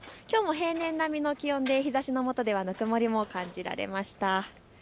きょうも平年並みの気温で日ざしのもとではぬくもりも感じられました。